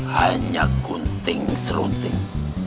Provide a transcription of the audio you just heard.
hanya gunting serunting